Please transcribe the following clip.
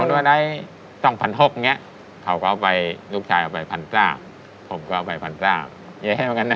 พ่อแบ่งว่าได้๒๖๐๐เนี่ยเขาก็เอาไปลูกชายเอาไป๑๐๐๐ทราบผมก็เอาไป๑๐๐๐ทราบเยอะเหมือนกันนะ